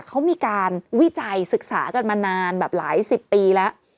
เขามีการวิจัยศึกษากันมานานแบบหลายสิบปีแล้ว